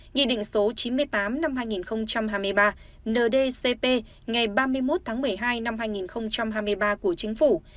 nghị định số chín mươi tám năm hai nghìn hai mươi ba ndcp ngày ba mươi một tháng một mươi hai năm hai nghìn hai mươi ba của chính phủ